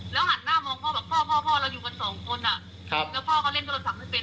แล้วพ่อก็เล่นโทรศักดิ์ที่เป็น